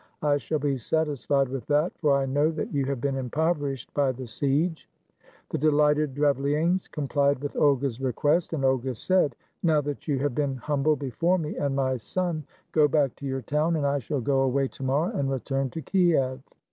I shall be satisfied with that, for I know that you have been impoverished by the siege." The delighted Drevlianes complied with Olga's request, and Olga said, "Now that you have been hum bled before me and my son, go back to your town, and I shall go away to morrow and return to Kiev."